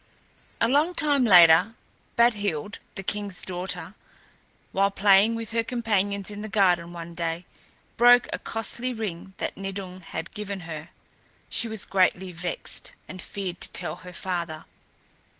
A long time later, Badhild, the king's daughter, while playing with her companions in the garden one day, broke a costly ring that Nidung had given her. She was greatly vexed and feared to tell her father.